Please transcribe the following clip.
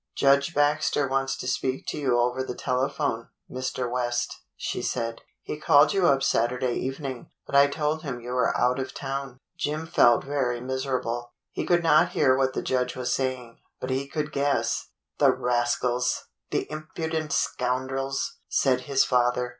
"Judge Baxter wants to speak to you over the telephone, Mr. West," she said. "He called you up Saturday evening, but I told him you were out of town." Jim felt very miserable. He could not hear what the judge was saying, but he could guess. "The rascals! The impudent scoundrels!" said his father.